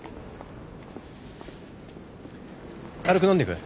軽く飲んでく？